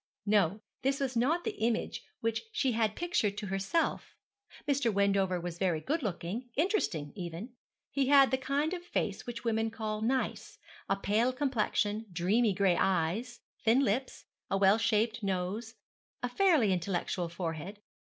No, this was not the image which she had pictured to herself. Mr. Wendover was very good looking interesting even; he had the kind of face which women call nice a pale complexion, dreamy gray eyes, thin lips, a well shaped nose, a fairly intellectual forehead.